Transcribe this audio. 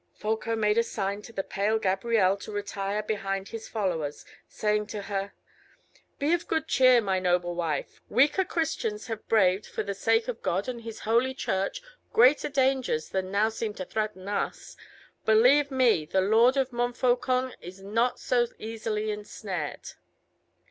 Folko made a sign to the pale Gabrielle to retire behind his followers, saying to her, "Be of good cheer, my noble wife, weaker Christians have braved, for the sake of God and of His holy Church, greater dangers than now seem to threaten us. Believe me, the Lord of Montfaucon is not so easily ensnared."